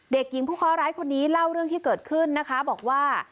เด็กหญิงผู้เคาะร้ายคนนี้เล่าเรื่องที่เกิดขึ้นนะคะบอกว่า